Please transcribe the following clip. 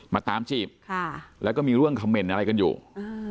มาตามจีบค่ะแล้วก็มีเรื่องคำเมนต์อะไรกันอยู่อืม